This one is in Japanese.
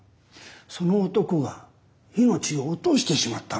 その男が命を落としてしまったんです。